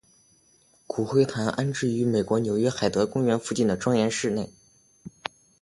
骨灰坛安置于美国纽约海德公园附近庄严寺内。